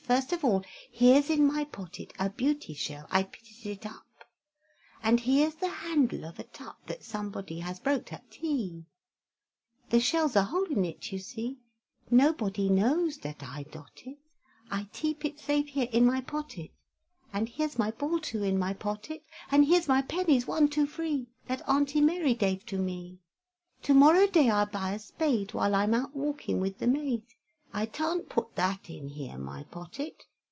First of all, here's in my pottet A beauty shell, I pit'd it up: And here's the handle of a tup That somebody has broked at tea; The shell's a hole in it, you see: Nobody knows dat I dot it, I teep it safe here in my pottet. And here's my ball too in my pottet, And here's my pennies, one, two, free, That Aunty Mary dave to me, To morrow day I'll buy a spade, When I'm out walking with the maid; I tant put that in here my pottet!